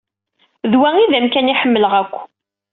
D wa ay d amkan ay ḥemmleɣ akk.